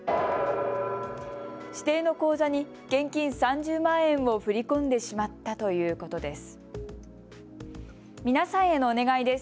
指定の口座に現金３０万円を振り込んでしまったということです。